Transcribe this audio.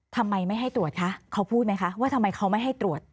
ทำไมไม่ให้ตรวจคะเขาพูดไหมคะว่าทำไมเขาไม่ให้ตรวจ